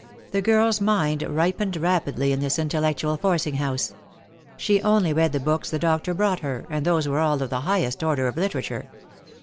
The girl's mind ripened rapidly in this intellectual forcing house. She only read the books the doctor brought her, and those were all of the highest order of literature.